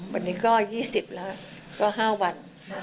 วันนี้ก็๒๐แล้วก็๕วัน